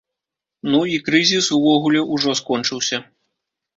Ну, і крызіс, увогуле, ужо скончыўся.